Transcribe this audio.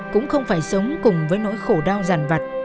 cũng không phải sống cùng với nỗi khổ đau giàn vật